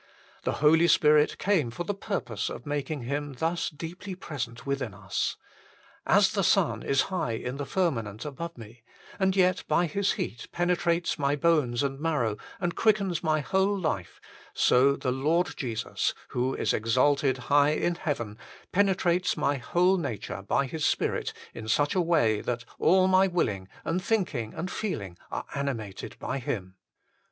The Holy Spirit came for the purpose of making Him thus deeply present within us. As the sun is high in the firmament above me, and yet by his heat penetrates my bones and marrow and quickens my whole life, so the Lord Jesus, who is exalted HOW IT MAY BE KEPT 105 high in heaven, penetrates my whole nature by His Spirit in such a way, that all my willing, and thinking, and feeling are animated by Him.